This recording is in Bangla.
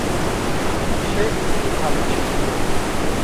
সে একটি ভালো ছেলে।